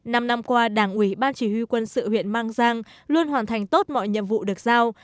năm năm qua đảng ủy ban chỉ huy quân sự huyện mang giang luôn hoàn thành tốt mọi nhiệm vụ được giao